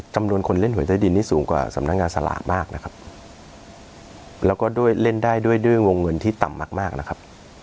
คนเล่นหวยใต้ดินนี่สูงกว่าสำนักงานสลากมากนะครับแล้วก็ด้วยเล่นได้ด้วยด้วยวงเงินที่ต่ำมากมากนะครับ